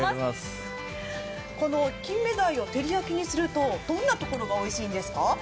このキンメダイを照り焼きにすると、どんなところがおいしいんですか？